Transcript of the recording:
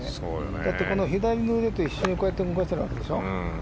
だって左の腕と一緒に動かしてるわけでしょ。